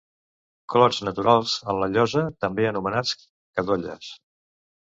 Clots naturals en una llosa, també anomenats cadolles.